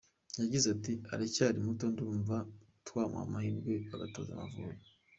Yagize ati “Aracyari muto, ndumva twamuha amahirwe agatoza Amavubi.